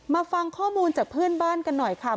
ฟังข้อมูลจากเพื่อนบ้านกันหน่อยค่ะ